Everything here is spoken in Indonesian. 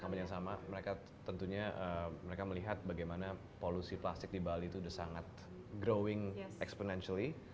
sama yang sama mereka tentunya mereka melihat bagaimana polusi plastik di bali itu sudah sangat growing exponentily